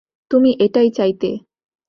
তুমি এটাই চাইতে।